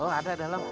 oh ada ada dalam